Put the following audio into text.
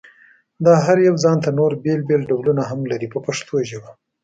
دا هر یو ځانته نور بېل بېل ډولونه هم لري په پښتو ژبه.